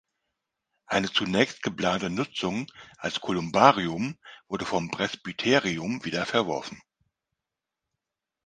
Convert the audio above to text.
Eine zunächst geplante Nutzung als Kolumbarium wurde vom Presbyterium wieder verworfen.